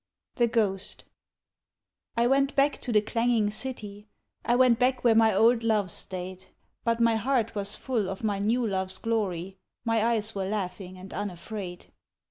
The Ghost I went back to the clanging city, I went back where my old loves stayed, But my heart was full of my new love's glory, My eyes were laughing and unafraid.